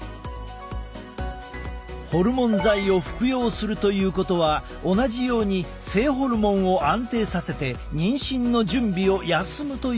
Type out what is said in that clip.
ホルモン剤を服用するということは同じように性ホルモンを安定させて妊娠の準備を休むということなのだ。